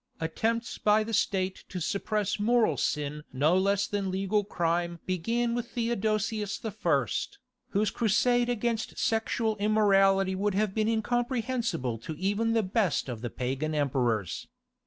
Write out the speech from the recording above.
Attempts by the State to suppress moral sin no less than legal crime begin with Theodosius I., whose crusade against sexual immorality would have been incomprehensible to even the best of the pagan emperors.